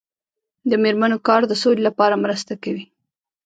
د میرمنو کار د سولې لپاره مرسته کوي.